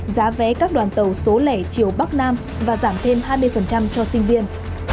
giá vé các đoàn tàu số lẻ chiều bắc nam và giảm thêm hai mươi cho sinh viên